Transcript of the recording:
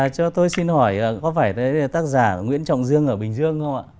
cho tôi xin hỏi có phải tới tác giả nguyễn trọng dương ở bình dương không ạ